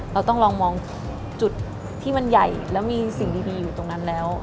เราต้องลองมองจุดที่มันใหญ่แล้วมีสิ่งดีอยู่ตรงนั้นแล้ว